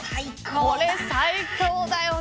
これ最強だよね。